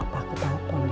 apa aku tahu pun ya